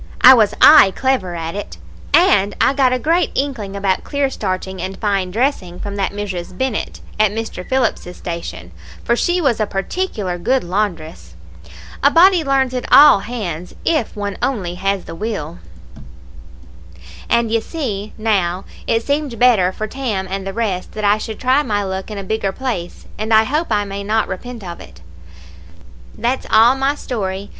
I was aye clever at it, and I got a great inkling about clear starching and fine dressing from that Mrs. Bennett, at Mr. Phillips's station, for she was a particular good laundress. A body learns at all hands if one has only the will. And ye see, now, it seemed better for Tam and the rest that I should try my luck in a bigger place, and I hope I may not repent of it. "That's all my story.